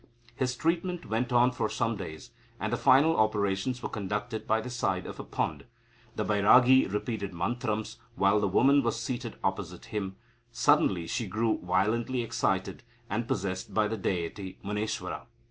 His treatment went on for some days, and the final operations were conducted by the side of a pond. The Bairagi repeated mantrams, while the woman was seated opposite him. Suddenly she grew violently excited, and possessed by the deity Muniswara.